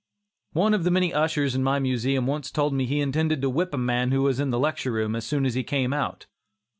One of the ushers in my Museum once told me he intended to whip a man who was in the lecture room as soon as he came out.